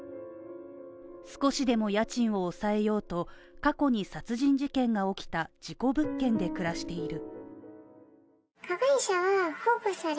少しでも家賃を抑えようと過去に殺人事件が起きた事故物件で暮らしている。